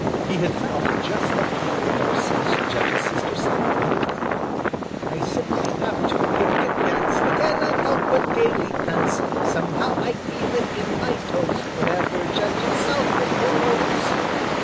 He had felt just that way ever since gentle Sister South Wind arrived. "I simply have to kick and dance! I cannot help but gaily prance! Somehow I feel it in my toes Whenever gentle South Wind blows."